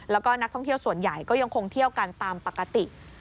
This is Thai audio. แล้วก็นักท่องเที่ยวส่วนใหญ่ก็ยังคงเที่ยวกันตามปกติ